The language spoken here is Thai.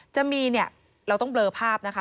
จะมีเนี่ยเราต้องเบลอภาพนะคะ